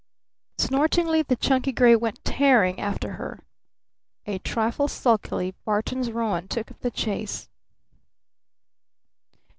Snortingly the chunky gray went tearing after her. A trifle sulkily Barton's roan took up the chase.